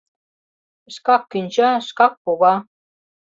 Шкак кӱнча, шкак пога.